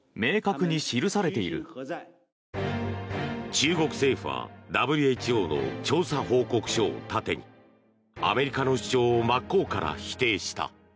中国政府はＷＨＯの調査報告書を盾にアメリカの主張を真っ向から否定した。